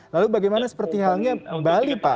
lalu bagaimana seperti halnya bali pak